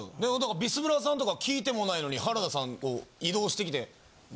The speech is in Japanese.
ビスブラさんとか聞いてもないのに原田さん移動してきて。